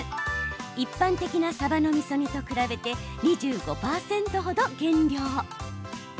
一般的なさばのみそ煮と比べて２５％程、減塩。